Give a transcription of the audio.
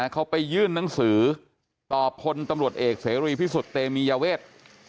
เขาไปยื่นหนังสือต่อพลตำรวจเอกเสรีพิสุทธิ์เตมียเวท